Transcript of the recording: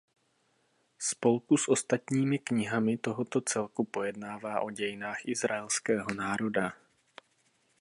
Spolu s ostatními knihami tohoto celku pojednává o dějinách izraelského národa.